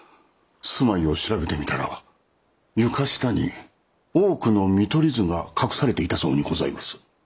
住まいを調べてみたら床下に多くの見取り図が隠されていたそうにございます。